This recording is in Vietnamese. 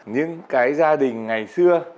những cái gia đình ngày xưa